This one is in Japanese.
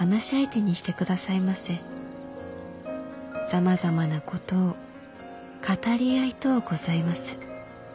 さまざまなことを語り合いとうございます。